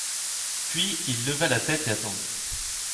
Puis il leva la tête et attendit.